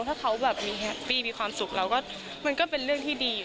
ถ้าเขามีแฮปปี้มีความสุขแล้วก็เป็นเรื่องที่ดี